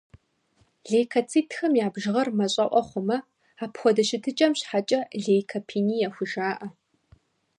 Лейкоцитхэм я бжыгъэр мащӏэӏуэ хъумэ, апхуэдэ щытыкӏэм щхьэкӏэ лейкопение хужаӏэ.